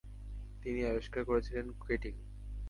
তিনি আবিষ্কার করেছিলেন কেটিন।